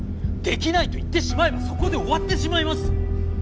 できないと言ってしまえばそこで終わってしまいます！